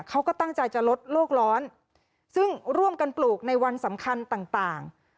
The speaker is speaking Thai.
เขาก็ตั้งใจจะลดโลกร้อนซึ่งร่วมกันปลูกในวันสำคัญต่าง